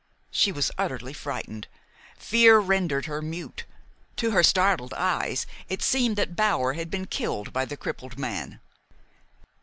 She was utterly frightened. Fear rendered her mute. To her startled eyes it seemed that Bower had been killed by the crippled man.